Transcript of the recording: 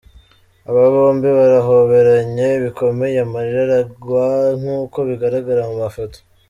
Aba bombi barahoberanye bikomeye amarira aragwa nk'uko bigaragara mu mafoto.